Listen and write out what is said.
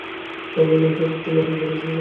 ভাবলেন, এই ফাঁকে একটু নেপাল ঘুরে আসা যাক।